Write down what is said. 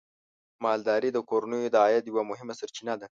مالداري د کورنیو د عاید یوه مهمه سرچینه ده.